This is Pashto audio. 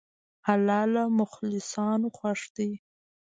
الله له مخلصانو خوښ دی.